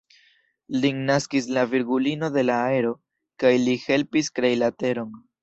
Lin naskis la Virgulino de la Aero, kaj li helpis krei la teron.